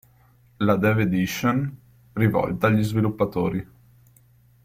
La Dev Edition, rivolta agli sviluppatori.